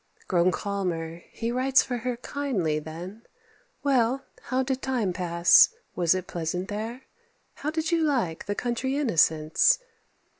Grown calmer, he writes for her kindly then: "Well, how did time pass? was it pleasant there? How did you like the country innocence?"